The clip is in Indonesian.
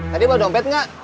tadi mau dompet gak